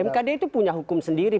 mkd itu punya hukum sendiri